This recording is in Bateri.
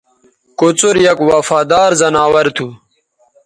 کوڅر یک وفادار زناور تھو